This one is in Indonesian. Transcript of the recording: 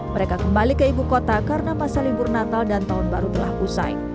mereka kembali ke ibu kota karena masa libur natal dan tahun baru telah usai